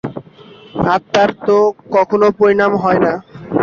আত্মার তো কখনও পরিণাম হয় না।